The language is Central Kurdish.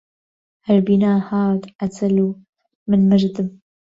هەر بینا هات ئەجەل و من مردم